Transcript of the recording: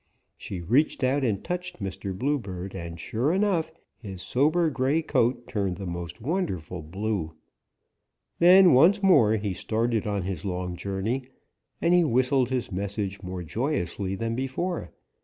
"She reached out and touched Mr. Bluebird, and sure enough his sober gray coat turned the most wonderful blue. Then once more he started on his long journey and he whistled his message more joyously than before.